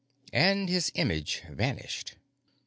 And his image vanished.